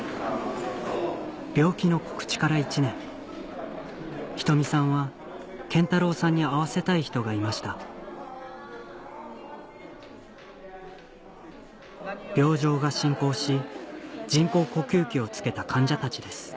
病気の告知から１年仁美さんは謙太郎さんに会わせたい人がいました病状が進行し人工呼吸器をつけた患者たちです